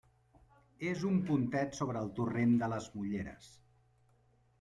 És un pontet sobre el torrent de les Mulleres.